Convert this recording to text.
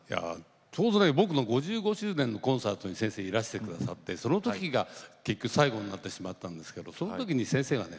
ちょうどね僕の５５周年のコンサートに先生いらして下さってその時が結局最後になってしまったんですけどその時に先生がね